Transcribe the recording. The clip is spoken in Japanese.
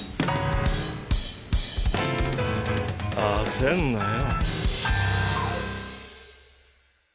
焦んなよ。